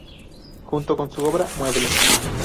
Junto con su obra mueble.